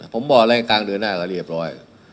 ผมบอกอะไรทางกลางเดือนหน้าก็เหลียบบร้อย